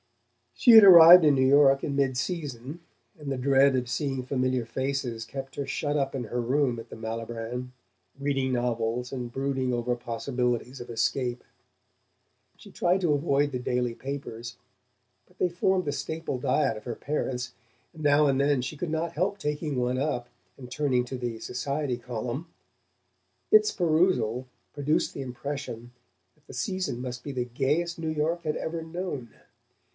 She had arrived in New York in midseason, and the dread of seeing familiar faces kept her shut up in her room at the Malibran, reading novels and brooding over possibilities of escape. She tried to avoid the daily papers, but they formed the staple diet of her parents, and now and then she could not help taking one up and turning to the "Society Column." Its perusal produced the impression that the season must be the gayest New York had ever known.